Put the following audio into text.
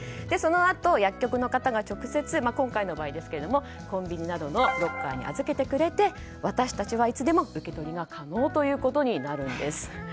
そのあと薬局の方が直接、今回の場合ですがコンビニのロッカーに預けてくれて、私たちはいつでも受け取りが可能なんです。